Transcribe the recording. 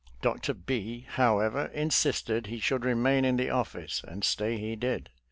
Dr. B , however, insisted he should remain in the office, and ste,y he did.